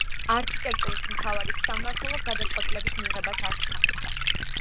არქიტექტურის მთავარი სამმართველო გადაწყვეტილების მიღებას არ ჩქარობდა.